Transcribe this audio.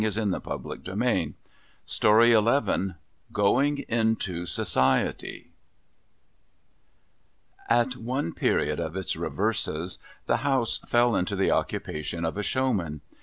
GOING INTO SOCIETY [185S] GOING INTO SOCIETY At one period of its reverses, the House fell into the occupation of a Showman.